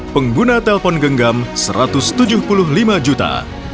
pengguna telpon genggam satu ratus tujuh puluh lima juta